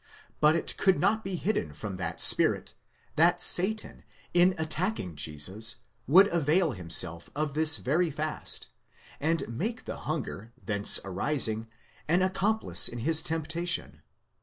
But it could not be hidden from that Spirit, that Satan, in attacking Jesus, would avail himself of this very fast, and make the hunger thence arising an accomplice in his temptation.